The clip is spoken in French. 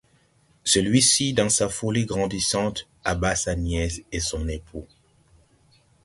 Celui-ci, dans sa folie grandissante, abat sa nièce et son époux.